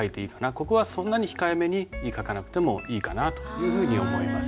ここはそんなに控えめに書かなくてもいいかなというふうに思います。